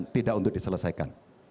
tidak untuk diselesaikan